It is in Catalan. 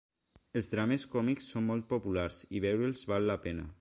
Els drames còmics són molt populars i veure'ls val la pena.